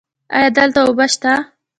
ایا دلته اوبه شته؟